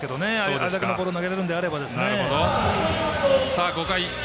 あれだけのボールが投げられるんであれば。